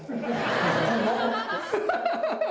ハハハハハ！